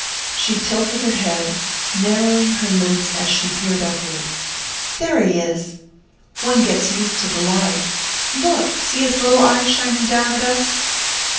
She tilted her head, narrowing her lids as she peered upward. "There he is! One gets used to the light.... Look! See his little eyes shining down at us!"